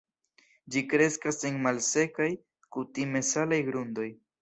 Ĝi kreskas en malsekaj, kutime salaj grundoj.